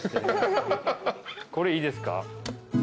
これいいですか？